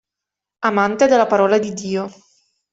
Amante della parola di Dio.